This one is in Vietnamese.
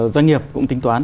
doanh nghiệp cũng tính toán